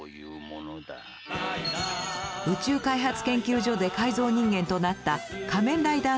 宇宙開発研究所で改造人間となった仮面ライダー